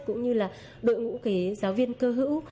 cũng như là đội ngũ giáo viên cơ hữu